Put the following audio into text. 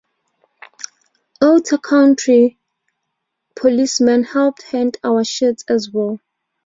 Ottawa County policemen helped hand out shirts as well.